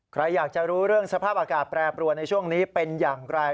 ใครอยากจะรู้เรื่องสภาพอากาศแปรปรวนในช่วงนี้เป็นอย่างไร